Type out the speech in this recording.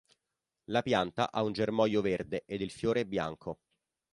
La pianta ha un germoglio verde ed il fiore è bianco.